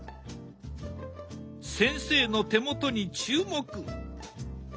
先生の手元に注目！